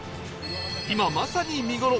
今まさに見頃！